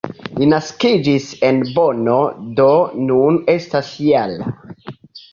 Li naskiĝis en Bonno, do nun estas -jara.